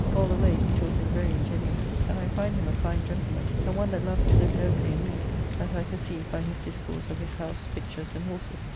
All the way he talking very ingenuously, and I find him a fine gentleman, and one that loves to live nobly and neatly, as I perceive by his discourse of his house, pictures, and horses.